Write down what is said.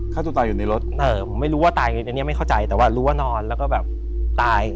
ฆ่าตัวตายอยู่ในรถผมไม่รู้ว่าตายอันนี้ไม่เข้าใจแต่ว่ารู้ว่านอนแล้วก็แบบตาย